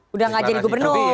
sudah gak jadi gubernur